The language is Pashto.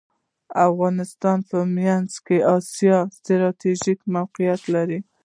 افغانستان په منځنۍ اسیا کې ستراتیژیک موقیعت لری .